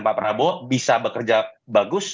pak prabowo bisa bekerja bagus